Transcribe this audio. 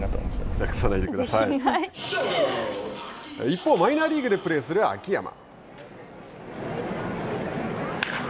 一方、マイナーリーグでプレーする秋山。